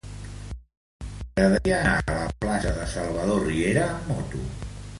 M'agradaria anar a la plaça de Salvador Riera amb moto.